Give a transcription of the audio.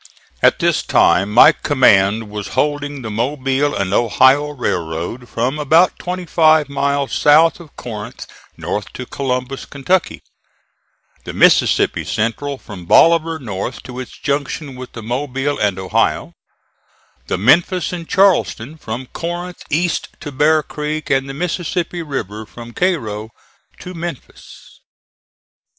At this time my command was holding the Mobile and Ohio railroad from about twenty five miles south of Corinth, north to Columbus, Kentucky; the Mississippi Central from Bolivar north to its junction with the Mobile and Ohio; the Memphis and Charleston from Corinth east to Bear Creek, and the Mississippi River from Cairo to Memphis.